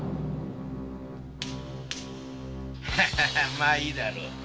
まいいだろう。